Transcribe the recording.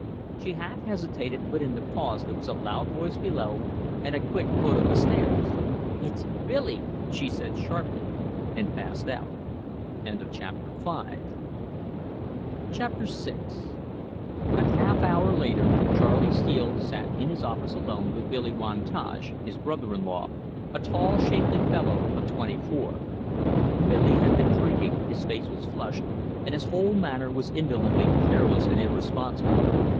She half hesitated, but in the pause there was a loud voice below and a quick foot on the stairs. "It's Billy!" she said sharply, and passed out. CHAPTER VI. THE WIND AND THE SHORN LAMB A half hour later Charley Steele sat in his office alone with Billy Wantage, his brother in law, a tall, shapely fellow of twenty four. Billy had been drinking, his face was flushed, and his whole manner was indolently careless and irresponsible.